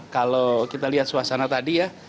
kalau kita lihat suasana tadi ya